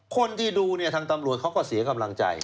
คนที่ดูเนี่ยทางตำรวจเขาก็เสียกำลังใจ